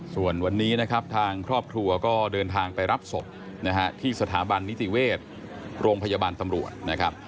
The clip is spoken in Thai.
ส่วนวันนี้ทางครอบครัวก็เดินทางไปรับศพที่สถาบันนิติเวทย์โรงพยาบาลตำรวจ